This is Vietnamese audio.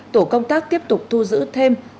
tổ công tác tiếp tục thu giữ thêm